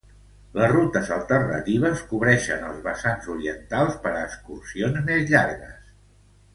Les rutes alternatives cobreixen els vessants orientals per a excursions més llargues.